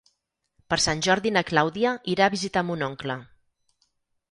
Per Sant Jordi na Clàudia irà a visitar mon oncle.